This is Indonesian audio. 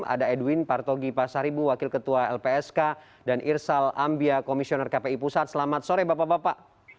ada edwin partogi pasaribu wakil ketua lpsk dan irsal ambia komisioner kpi pusat selamat sore bapak bapak